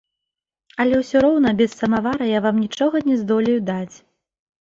Але ўсё роўна без самавара я вам нічога не здолею даць.